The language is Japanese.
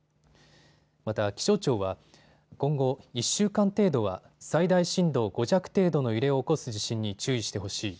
また気象庁は今後１週間程度は最大震度５弱程度の揺れを起こす地震に注意してほしい。